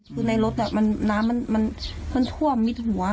คือในรถน้ำมันท่วมมิดหัว